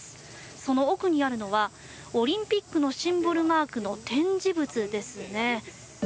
その奥にあるのはオリンピックのシンボルマークの展示物ですね。